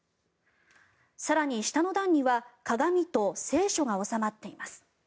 更に、下の段には鏡と聖書が収まっています。